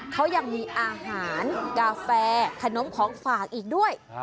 เขายังมีอาหารกาแฟขนมของฝากอีกด้วย